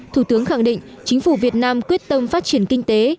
thủ tướng khẳng định chính phủ việt nam quyết tâm phát triển kinh tế